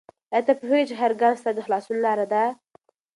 آیا ته پوهېږې چې هر ګام ستا د خلاصون لاره ده؟